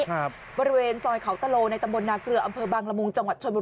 บริเวณซอยเขาตะโลในตำบลนาเกลืออำเภอบางละมุงจังหวัดชนบุรี